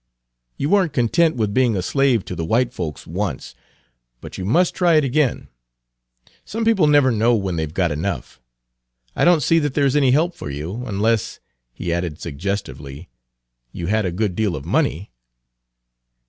You weren't content with being a slave to the white folks once, but you must Page 254 try it again. Some people never know when they've got enough. I don't see that there's any help for you; unless," he added suggestively, "you had a good deal of money."